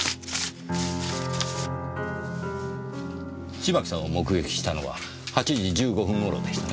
芝木さんを目撃したのは８時１５分頃でしたね？